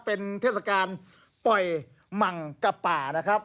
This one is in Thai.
เป็นเทศกาลปล่อยมังกับป่านะครับ